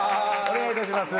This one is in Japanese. お願いいたします。